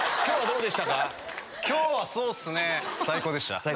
今日はそうっすね最高でした。